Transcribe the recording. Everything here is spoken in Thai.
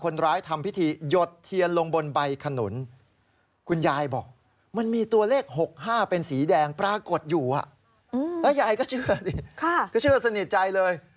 และยายก็เชื่อสนิทใจเลย